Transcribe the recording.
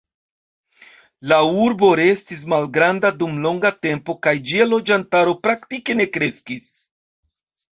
La urbo restis malgranda dum longa tempo kaj ĝia loĝantaro praktike ne kreskis.